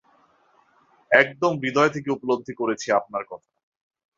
একদম হৃদয় থেকে উপলদ্ধি করেছি আপনার কথা!